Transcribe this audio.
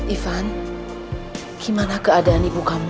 ivan gimana keadaan ibu kamu